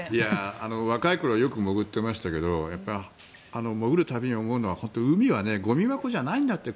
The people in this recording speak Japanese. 若い頃よく潜ってましたけど潜る度に思うのは本当に海はゴミ箱じゃないんだって